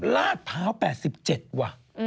ระดเภา๘๗ว่ะ